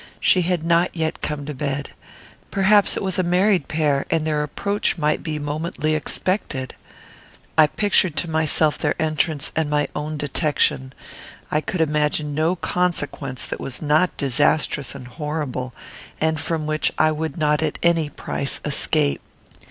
She had not yet come to bed. Perhaps it was a married pair, and their approach might be momently expected. I pictured to myself their entrance and my own detection. I could imagine no consequence that was not disastrous and horrible, and from which I would not at any price escape.